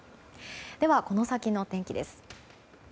では、この先の天気です。